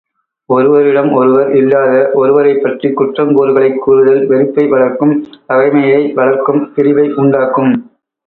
ஒருவரிடம் ஒருவர், இல்லாத ஒருவரைப் பற்றிக் குற்றங் குறைகளைக் கூறுதல், வெறுப்பை வளர்க்கும் பகைமையை வளர்க்கும் பிரிவை உண்டாக்கும்.